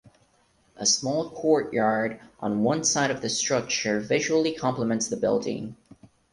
A small courtyard on one side of the structure visually complements the building.